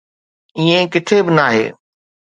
ائين ڪٿي به ناهي